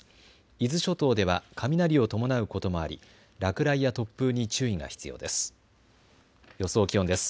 伊豆諸島では雷を伴うこともあり落雷や突風に注意が必要です。